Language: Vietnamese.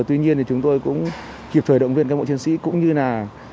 tuy nhiên thì chúng tôi cũng kịp thời động viên cán bộ chiến sĩ cũng như là